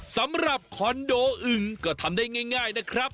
สำหรับคอนโดอึงก็ทำได้ง่ายนะครับ